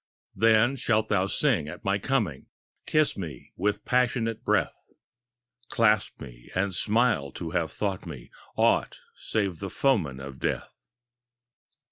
Then shalt thou sing at my coming. Kiss me with passionate breath, Clasp me and smile to have thought me Aught save the foeman of Death.